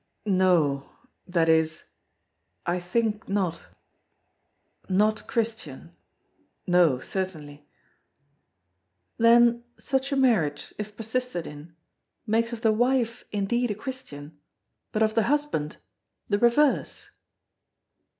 "No; that is, I think not not Christian. No, certainly." "Then, such a marriage, if persisted in, makes of the wife indeed a Christian, but of the husband—the reverse."